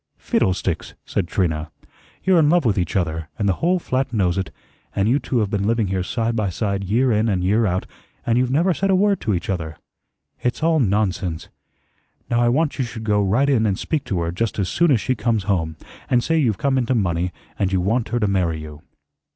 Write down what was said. "Fiddlesticks!" said Trina. "You're in love with each other, and the whole flat knows it; and you two have been living here side by side year in and year out, and you've never said a word to each other. It's all nonsense. Now, I want you should go right in and speak to her just as soon as she comes home, and say you've come into money and you want her to marry you."